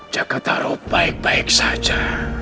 jakarta roh baik baik saja